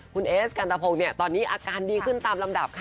คุณเอสกันตะพงศ์เนี่ยตอนนี้อาการดีขึ้นตามลำดับค่ะ